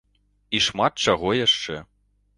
І шмат чаго яшчэ.